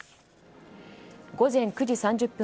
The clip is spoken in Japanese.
午前９時３０分